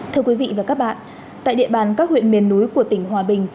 thưa quý vị và các bạn tại địa bàn các huyện miền núi của tỉnh hòa bình